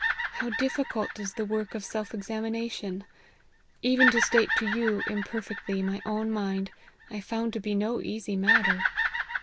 How difficult is the work of self examination ! Even to state to you, imperfectly, my own mind, I found to be no easy matter.